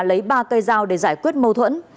lấy ba cây dao để giải quyết mâu thuẫn